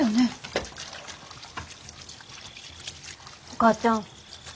お母ちゃん。